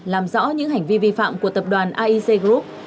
làm rõ những hành vi vi phạm của tập đoàn aic group